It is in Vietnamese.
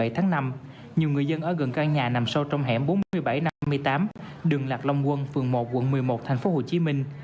tháng năm nhiều người dân ở gần căn nhà nằm sâu trong hẻm bốn mươi bảy năm mươi tám đường lạc long quân phường một quận một mươi một thành phố hồ chí minh